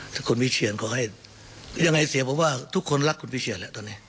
ถ้าคุณวิเชียนขอให้ยังไงเสียผมว่าทุกคนรักคุณวิเชียนแล้วตอนนี้